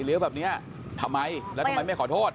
แบบนี้ทำไมแล้วทำไมไม่ขอโทษ